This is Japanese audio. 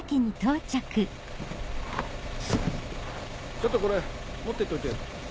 ちょっとこれ持ってっといてよ。